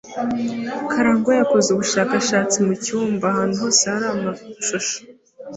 Karangwa yakoze ubushakashatsi mu cyumba; ahantu hose hari amashusho.